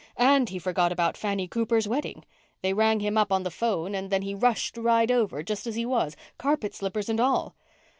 And he forgot about Fanny Cooper's wedding. They rang him up on the 'phone and then he rushed right over, just as he was, carpet slippers and all.